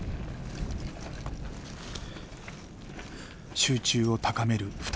集中を高める２人。